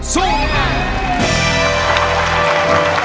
สู้แน่